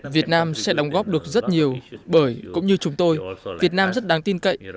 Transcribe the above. việt nam sẽ đóng góp được rất nhiều bởi cũng như chúng tôi việt nam rất đáng tin cậy